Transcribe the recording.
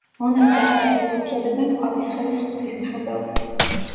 მონასტერს ასევე უწოდებენ ქვაბისხევის „ღვთისმშობელს“.